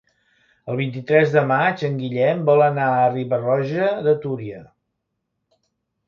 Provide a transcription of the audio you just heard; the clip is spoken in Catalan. El vint-i-tres de maig en Guillem vol anar a Riba-roja de Túria.